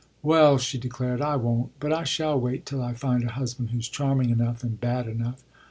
"Well," she declared, "I won't, but I shall wait till I find a husband who's charming enough and bad enough.